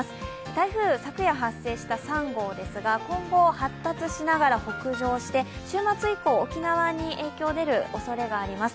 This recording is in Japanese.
台風、昨夜発生した３号ですが今後発達しながら北上して、週末以降沖縄に影響出るおそれがあります。